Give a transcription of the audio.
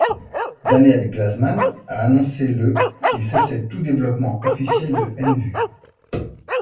Daniel Glazman a annoncé le qu'il cessait tout développement officiel de Nvu.